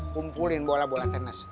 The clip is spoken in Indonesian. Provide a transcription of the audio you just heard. tumpulin bola bola tenis